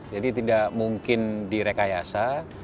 jadi tidak mungkin direkayasa